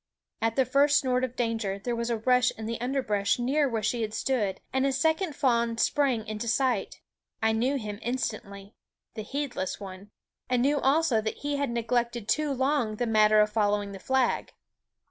At the first snort of danger there was a rush in the underbrush near where she had stood, and a second fawn sprang into sight. I knew him instantly the heedless one and knew also that he had neglected too long the matter of following the flag.